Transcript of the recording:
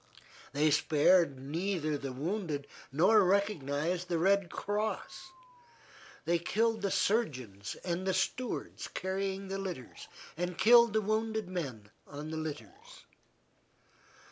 They spared neither the wounded nor recognized the Red Cross; they killed the surgeons and the stewards carrying the litters, and killed the wounded men on the litters.